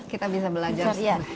kita bisa belajar